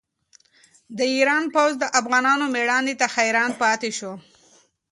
د ایران پوځ د افغانانو مېړانې ته حیران پاتې شو.